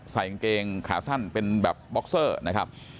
กางเกงขาสั้นเป็นแบบบ็อกเซอร์นะครับ